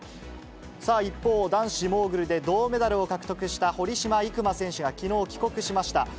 さあ、一方、男子モーグルで銅メダルを獲得した堀島行真選手がきのう帰国しました。